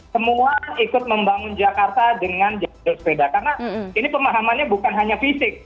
semua ikut membangun jakarta dengan jalur sepeda karena ini pemahamannya bukan hanya fisik